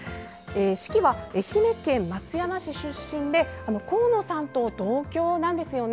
子規は愛媛県松山市出身で神野さんと同郷なんですよね。